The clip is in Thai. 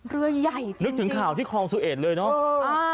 เรือใหญ่นึกถึงข่าวที่คลองสุเอสเลยเนอะ